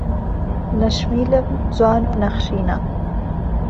نهشمیلم جوان و نهخشینه